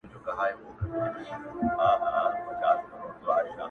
نور بيا حکومت ملامتوي او پوښتني راپورته کوي,